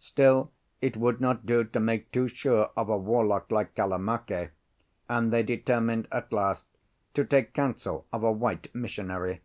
Still, it would not do to make too sure of a warlock like Kalamake, and they determined at last to take counsel of a white missionary.